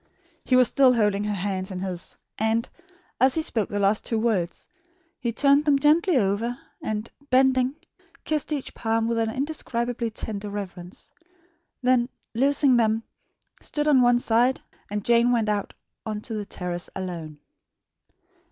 He was still holding her hands in his; and, as he spoke the last two words, he turned them gently over and, bending, kissed each palm with an indescribably tender reverence; then, loosing them, stood on one side, and Jane went out on to the terrace alone.